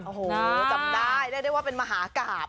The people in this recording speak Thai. จำได้ได้ว่าเป็นมหากราบ